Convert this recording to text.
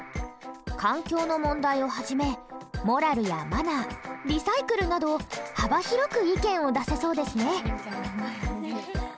環境の問題をはじめモラルやマナーリサイクルなど幅広く意見を出せそうですね。